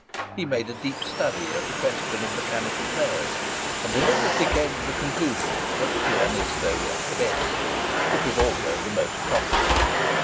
He made a deep study of the question of mechanical players, and deliberately came to the conclusion that the Pianisto was the best. It was also the most costly.